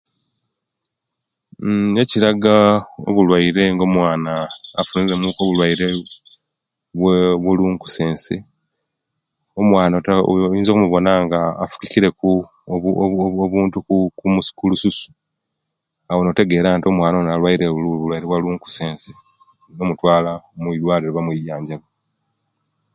Mmm Ekiraga obulwaire nga omwana afunire muku obulwaire bwe bwo lunkusense omwana otera omuwona nga afukukire ku obu obu obu obuntu okulususu awo notegera nti omwana Ono alwaire buluwaire bwa lunkusense nomutwala mudwaliro nibamwijanjabiya